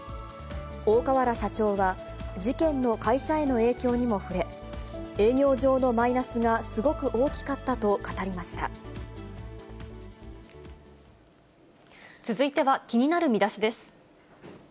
大川原社長は、事件の会社への影響にも触れ、営業上のマイナスが、すごく大き続いては気になるミダシです。